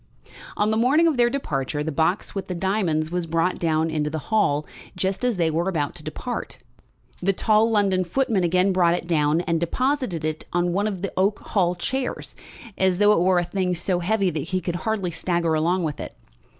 On the morning of their departure the box with the diamonds was brought down into the hall just as they were about to depart. The tall London footman again brought it down, and deposited it on one of the oak hall chairs, as though it were a thing so heavy that he could hardly stagger along with it.